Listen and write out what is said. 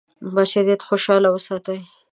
بشریت خوشاله وساتي.